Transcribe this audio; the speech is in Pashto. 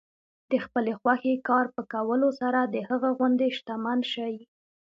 د خپلې خوښې کار په کولو سره د هغه غوندې شتمن شئ.